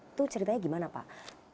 itu ceritanya gimana pak